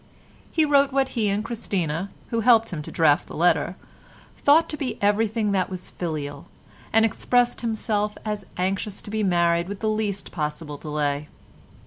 He wrote what he and Christina, who helped him to draft the letter, thought to be everything that was filial, and expressed himself as anxious to be married with the least possible delay.